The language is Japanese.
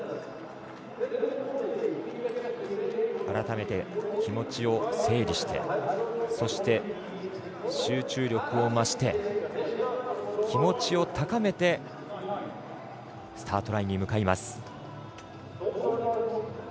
改めて気持ちを整理してそして集中力を増して気持ちを高めてスタートラインに向かいます。